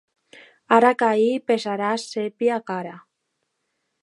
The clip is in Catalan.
Ara Caí, pesarà sèpia cara.